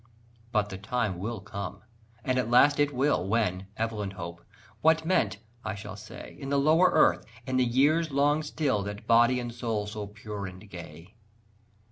But the time will come, at last it will, When, Evelyn Hope, what meant, I shall say, In the lower earth, in the years long still, That body and soul so pure and gay?